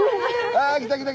あ来た来た。